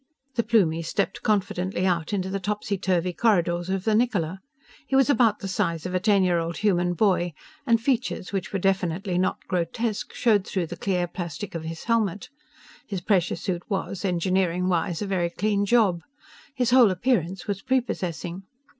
The Plumie stepped confidently out into the topsy turvy corridors of the Niccola. He was about the size of a ten year old human boy, and features which were definitely not grotesque showed through the clear plastic of his helmet. His pressure suit was, engineering wise, a very clean job. His whole appearance was prepossessing.